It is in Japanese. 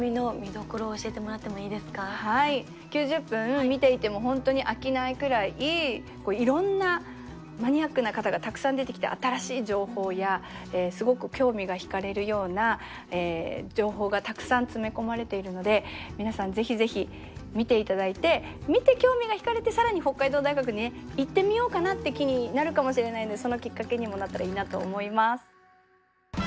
９０分見ていても本当に飽きないくらいいろんなマニアックな方がたくさん出てきて新しい情報やすごく興味が引かれるような情報がたくさん詰め込まれているので皆さん是非是非見ていただいて見て興味が引かれて更に北海道大学にね行ってみようかなって気になるかもしれないんでそのきっかけにもなったらいいなと思います。